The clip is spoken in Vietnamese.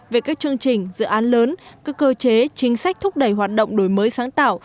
về các chương trình dự án lớn các cơ chế chính sách thúc đẩy hoạt động đổi mới sáng tạo